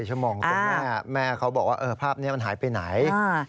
ชั่วโมงตรงแม่แม่เขาบอกว่าภาพนี้มันหายไปไหน